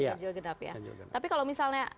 ganjil genap ya iya ganjil genap tapi kalau misalnya